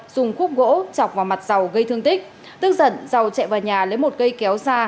dùng khúc gỗ chọc vào mặt dầu gây thương tích tức giận dầu chạy vào nhà lấy một cây kéo ra